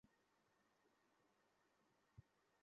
তো সেটা ওকে জানান।